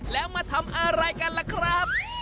แล้วมาทำอะไรกันล่ะครับ